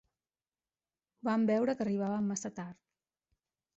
Van veure que arribaven massa tard.